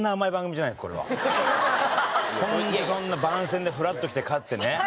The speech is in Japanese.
そんなそんな番宣でフラッと来て勝ってね。